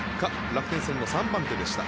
楽天戦の３番手でした。